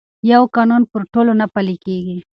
یو قانون پر ټولو نه پلي کېږي.